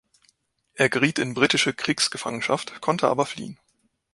Er geriet in britische Kriegsgefangenschaft, konnte aber fliehen.